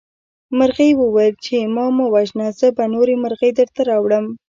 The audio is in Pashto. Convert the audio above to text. مرغۍ وویل چې ما مه وژنه زه به نورې مرغۍ درته راوړم.